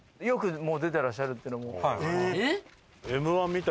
よくもう出てらっしゃるっていうのも。